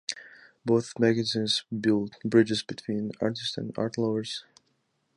Both magazines build bridges between artists and art lovers.